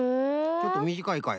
ちょっとみじかいかい。